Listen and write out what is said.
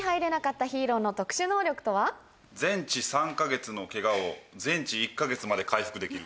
「全治三ヶ月のケガを全治一ヶ月まで回復できる」。